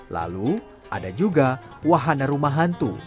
lalu ada juga wahana rumah hantu